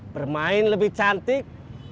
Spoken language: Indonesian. bermain lebih cantik